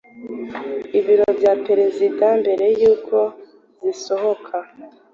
ibiro bya perezida mbere yuko zisohoka,